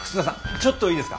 ちょっといいですか？